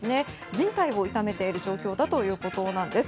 じん帯を痛めている状況だということです。